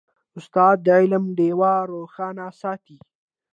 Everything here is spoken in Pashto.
استاد د علم ډیوه روښانه ساتي.